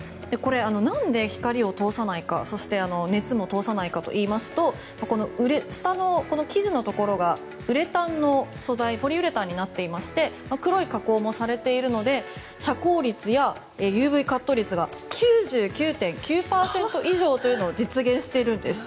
何で光を通さないかそして熱も通さないかといいますと下の生地のところがウレタンの素材ポリウレタンになっていまして黒い加工もされているので遮光率やＵＶカット率が９９．９％以上というのを実現しているんです。